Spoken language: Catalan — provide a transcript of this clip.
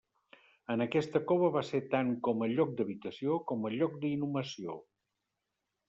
En aquesta cova va ser tant com a lloc d'habitació, com a lloc d'inhumació.